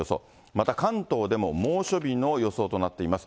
また関東でも猛暑日の予想となっています。